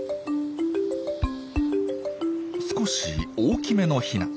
少し大きめのヒナ。